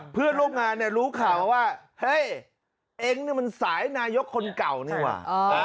เพื่อนร่วมงานเนี่ยรู้ข่าวว่าเฮ้ยเองนี่มันสายนายกคนเก่านี่ว่ะ